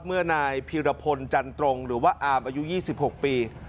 เมื่อนายพิรพลจันตรงหรือว่าอามอายุ๒๖ปี